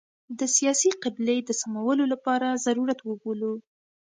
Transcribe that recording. د سیاسي قبلې د سمولو لپاره ضرورت وبولو.